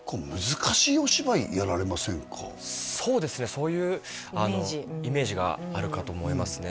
そういうイメージがあるかと思いますね